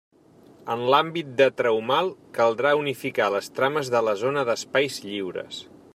En l'àmbit de Treumal, caldrà unificar les trames de la zona d'espais lliures.